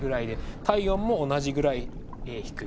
体温も同じぐらい低い。